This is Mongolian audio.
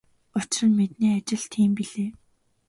Учир нь миний ажил тийм билээ.